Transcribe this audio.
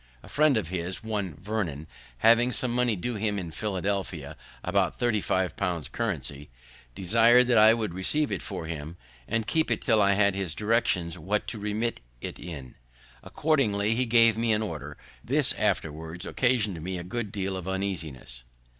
A friend of his, one Vernon, having some money due to him in Pennsylvania, about thirty five pounds currency, desired I would receive it for him, and keep it till I had his directions what to remit it in. Accordingly, he gave me an order. This afterwards occasion'd me a good deal of uneasiness.